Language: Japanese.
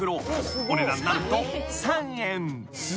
［お値段何と３円］